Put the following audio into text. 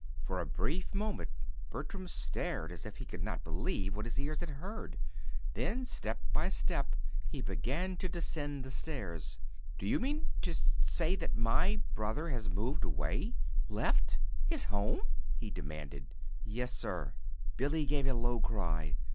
For a brief moment Bertram stared as if he could not believe what his ears had heard. Then, step by step, he began to descend the stairs. "Do you mean to say that my brother has moved gone away left his home?" he demanded. "Yes, sir." Billy gave a low cry.